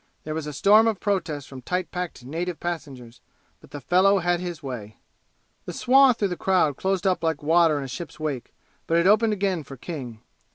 There was a storm of protest from tight packed native passengers, but the fellow had his way. The swath through the crowd closed up like water in a ship's wake, but it opened again for King.